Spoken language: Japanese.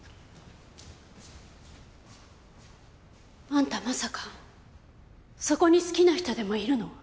あんたまさかそこに好きな人でもいるの？